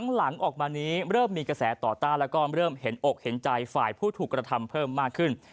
หลังออกมานี้เริ่มมีกระแสต่อต้านแล้วก็เริ่มเห็นอกเห็นใจฝ่ายผู้ถูกกระทำเพิ่มมากขึ้น